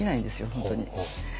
本当に。